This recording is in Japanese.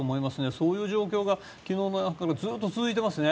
そういう状況が昨日からずっと続いていますね。